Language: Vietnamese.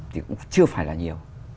thì cũng chưa phải là nhiều